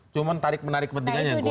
cuma tarik menarik pentingannya yang kuat